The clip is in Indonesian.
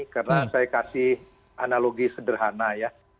karena saya kasih analogi sederhana ya